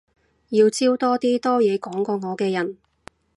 要招多啲多嘢講過我嘅人